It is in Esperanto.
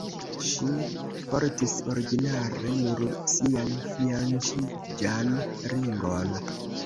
Ŝi portis ordinare nur sian fianĉiĝan ringon.